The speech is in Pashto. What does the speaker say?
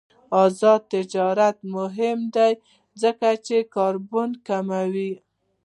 آزاد تجارت مهم دی ځکه چې د کاربن کموي.